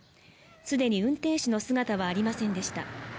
すでに運転手の姿はありませんでした